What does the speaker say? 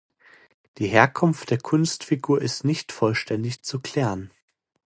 Die Herkunft der Kunstfigur ist nicht vollständig zu klären.